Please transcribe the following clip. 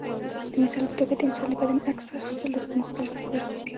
د مثال په توګه د انسان د بدن عکس اخیستلو په مختلفو برخو کې.